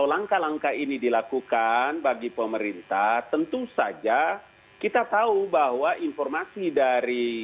langkah langkah ini dilakukan bagi pemerintah tentu saja kita tahu bahwa informasi dari